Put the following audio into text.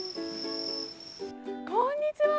こんにちは。